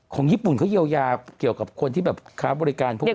ญี่ปุ่นเขาเยียวยาเกี่ยวกับคนที่แบบค้าบริการพวกนี้